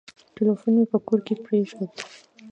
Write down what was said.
ټلیفون مي په کور کي پرېښود .